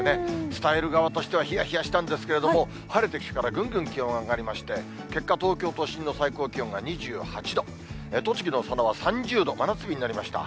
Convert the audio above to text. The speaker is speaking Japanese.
伝える側としてはひやひやしたんですけれども、晴れてきてからぐんぐん気温上がりまして、結果、東京都心の最高気温が２８度、栃木の佐野は３０度、真夏日になりました。